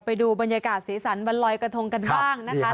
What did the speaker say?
ไปดูบรรยากาศสีสันวันลอยกระทงกันบ้างนะคะ